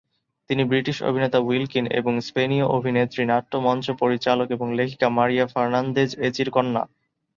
তিনি ব্রিটিশ অভিনেতা Will Keen এবং স্পেনীয় অভিনেত্রী, নাট্যমঞ্চ পরিচালক এবং লেখিকা "মারিয়া ফার্নান্দেজ এচি'র"কন্যা।